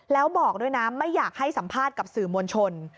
แล้วบอกด้วยนะไม่อยากให้สัมภาษณ์กับสื่อมวลชน